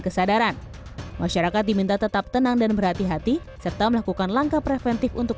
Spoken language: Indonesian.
kesadaran masyarakat diminta tetap tenang dan berhati hati serta melakukan langkah preventif untuk